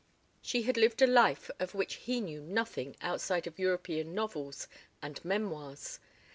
She had lived a life of which he knew nothing outside of European novels and memoirs.